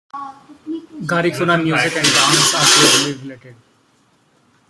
Garifuna music and dance are closely related.